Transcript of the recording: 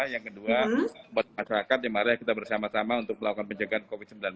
yang kedua buat masyarakat ya mari kita bersama sama untuk melakukan penjagaan covid sembilan belas